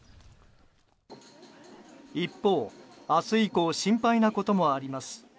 一方、明日以降心配なこともあります。